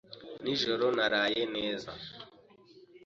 Nijoro naraye neza.